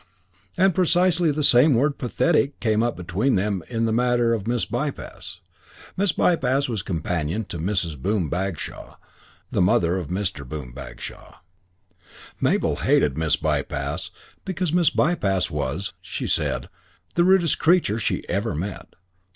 II And precisely the same word pathetic came up between them in the matter of Miss Bypass. Miss Bypass was companion to Mrs. Boom Bagshaw, the mother of Mr. Boom Bagshaw. Mabel hated Miss Bypass because Miss Bypass was, she said, the rudest creature she ever met.